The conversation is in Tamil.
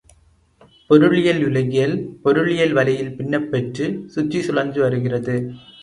பொருளியல் உலகியல், பொருளியல் வலையில் பின்னப் பெற்றுச் சுற்றி சுழன்று வருகிறது.